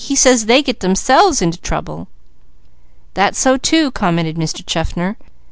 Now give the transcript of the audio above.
"He says they get themselves into trouble." "That's so too," commented Mr. Chaffner.